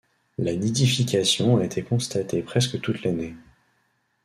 La nidification a été constatée presque toute l'année.